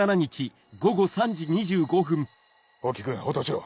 大木君応答しろ。